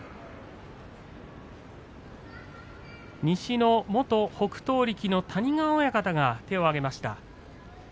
西の元北勝力の谷川親方が手を挙げました。